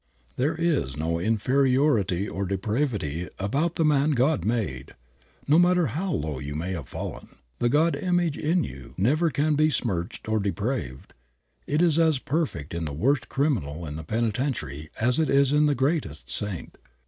There is no inferiority or depravity about the man God made. No matter how low you may have fallen, the God image in you never can be smirched or depraved. It is as perfect in the worst criminal in the penitentiary as it is in the greatest saint.